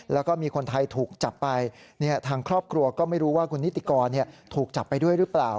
แล้วก็มีคนไทยถูกจับไปทางครอบครัวก็ไม่รู้ว่าคุณนิติกรถูกจับไปด้วยหรือเปล่า